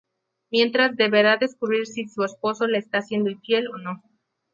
Mientras deberá descubrir si su esposo le esta siendo infiel o no.